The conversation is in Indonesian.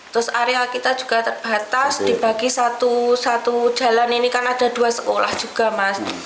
terus area kita juga terbatas dibagi satu jalan ini kan ada dua sekolah juga mas